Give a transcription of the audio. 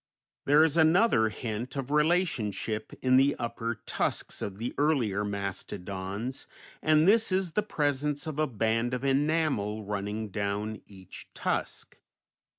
There is another hint of relationship in the upper tusks of the earlier mastodons, and this is the presence of a band of enamel running down each tusk.